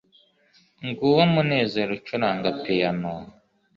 nguwo munezero ucuranga piyano